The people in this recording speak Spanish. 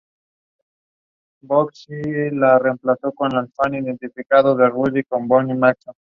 Este picaflor de porte pequeño, se alimenta principalmente de frutos.